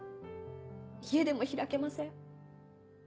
家でも開けません。